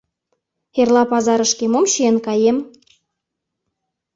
Эрла пазарышке мом чиен каем?